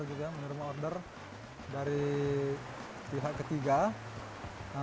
pertama kami akan menerima order dari pihak ketiga